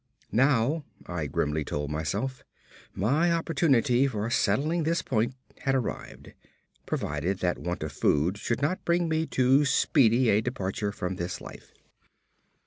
Now, I grimly told myself, my opportunity for settling this point had arrived, provided that want of food should not bring me too speedy a departure from this life.